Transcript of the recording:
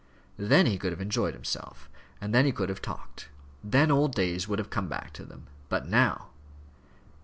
Then he could have enjoyed himself; then he could have talked; then old days would have come back to them. But now!